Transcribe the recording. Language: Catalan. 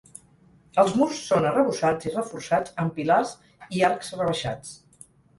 Els murs són arrebossats i reforçats amb pilars i arcs rebaixats.